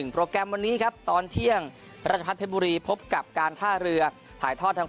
โปรแกรมวันนี้ครับตอนเที่ยงราชพัฒนเพชรบุรีพบกับการท่าเรือถ่ายทอดทาง